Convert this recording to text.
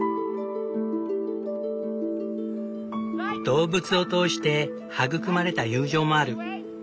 動物を通して育まれた友情もある。